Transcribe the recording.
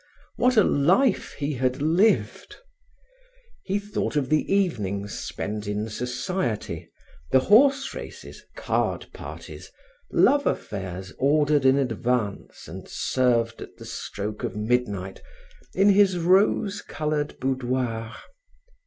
What a life he had lived! He thought of the evenings spent in society, the horse races, card parties, love affairs ordered in advance and served at the stroke of midnight, in his rose colored boudoir!